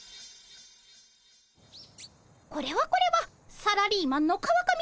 これはこれはサラリーマンの川上さま。